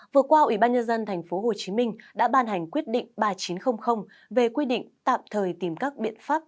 vừa qua ủy ban nhân dân tp hcm đã ban hành quyết định ba nghìn chín trăm linh về quy định tạm thời tìm các biện pháp